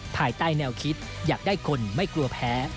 ภายใต้แนวคิดอยากได้คนไม่กลัวแพ้